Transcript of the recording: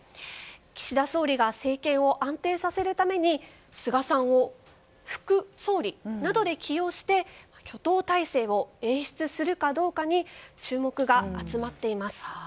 岸田総理が政権を安定させるために菅さんを副総理などで起用して挙党体制を演出するかどうかに注目が集まっています。